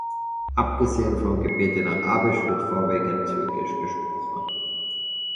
Abgesehen vom Gebet in Arabisch wird vorwiegend Türkisch gesprochen.